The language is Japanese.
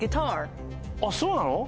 あっそうなの？